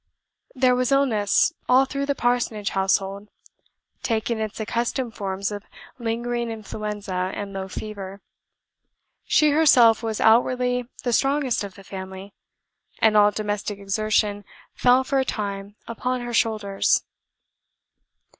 There was illness all through the Parsonage household taking its accustomed forms of lingering influenza and low fever; she herself was outwardly the strongest of the family, and all domestic exertion fell for a time upon her shoulders.